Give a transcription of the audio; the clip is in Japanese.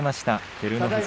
照ノ富士。